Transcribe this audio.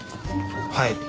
はい。